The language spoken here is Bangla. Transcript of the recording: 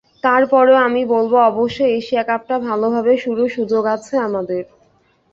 তারপরও আমি বলব, অবশ্যই এশিয়া কাপটা ভালোভাবে শুরুর সুযোগ আছে আমাদের।